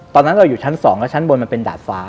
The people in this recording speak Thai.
ตอนนั้นเราอยู่ชั้น๒และชั้นบนมันเป็นดาดฟ้า